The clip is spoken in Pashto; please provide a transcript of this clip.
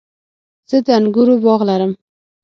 زه د انګورو باغ لرم